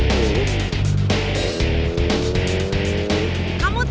iya terus manjut